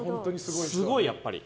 すごい、やっぱり。